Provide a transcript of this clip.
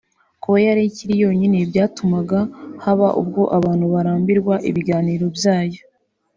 Kuba yari ikiri yonyine byatumaga haba ubwo abantu barambirwa ibiganiro byayo